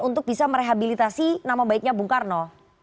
untuk bisa merehabilitasi nama baiknya bung karno